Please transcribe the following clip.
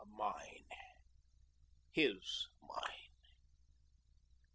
A mine his mine.